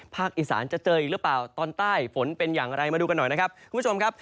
ภาคอิสานจะเจออีกหรือเปล่าตอนใต้ฝนเป็นอย่างไรมาดูกันหน่อยนะครับ